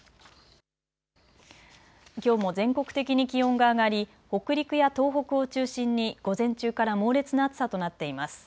きょうも全国的に気温が上がり北陸や東北を中心に午前中から猛烈な暑さとなっています。